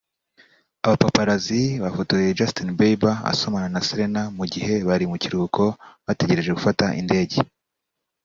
Abapaparazzi bafotoye Justin Bieber asomana na Selena mu gihe bari mu kiruhuko bategereje gufata indege